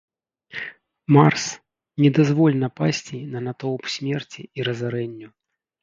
Марс, не дазволь напасці на натоўп смерці і разарэнню.